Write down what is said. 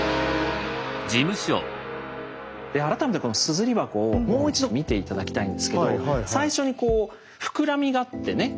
で改めてこの「硯箱」をもう一度見て頂きたいんですけど最初にこう「膨らみが」ってね言ってましたよね。